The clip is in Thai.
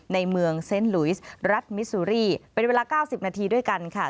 ในเมืองเซ็นต์ลุยสรัฐมิซูรีเป็นเวลา๙๐นาทีด้วยกันค่ะ